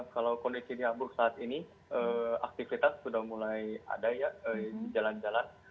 kalau kondisinya abruk saat ini aktivitas sudah mulai ada ya jalan jalan